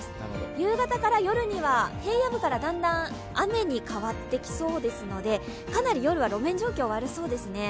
夕方から夜には平野部からだんだん雨に変わってきそうですので、かなり夜は路面状況、悪そうですね